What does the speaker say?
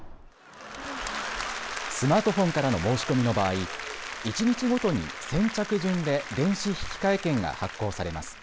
スマートフォンからの申し込みの場合、一日ごとに先着順で電子引換券が発行されます。